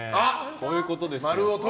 こういうことですよ。